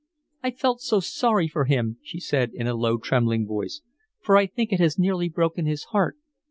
"I felt so sorry for him," she said, in a low, trembling voice. "For I think it has nearly broken his heart.